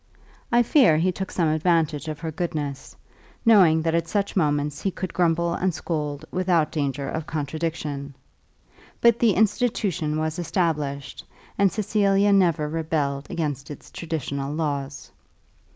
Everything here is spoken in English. I fear he took some advantage of her goodness, knowing that at such moments he could grumble and scold without danger of contradiction. But the institution was established, and Cecilia never rebelled against its traditional laws.